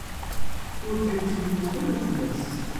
Ur kem-ttlummuɣ ara fell-as.